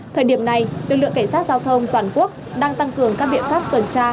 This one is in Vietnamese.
thời điểm này lực lượng cảnh sát giao thông toàn quốc đang tăng cường các biện pháp tuần tra